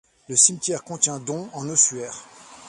Le cimetière contient dont en ossuaires.